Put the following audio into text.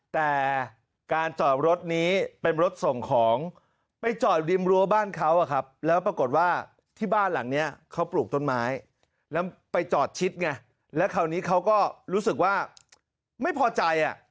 แต่การจอดรถนี้เป็นรถส่งของไปจอดริมรั้วบ้านเขาแล้วปรากฏว่าที่บ้านหลังนี้เขาปลูกต้นไม้แล้วไปจอดชิดไงแล้วคราวนี้เขาก็รู้สึกว่าไม่พอใจอ่ะ